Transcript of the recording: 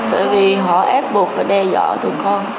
tại vì họ ép buộc và đe dọa tụi con